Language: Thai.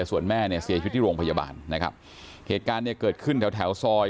ส่วนแม่เสียชีวิตที่โรงพยาบาลเกิดการเกิดขึ้นแถวซอย